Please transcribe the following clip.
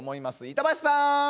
板橋さん！